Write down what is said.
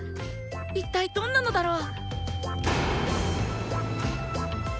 一体どんなのだろう。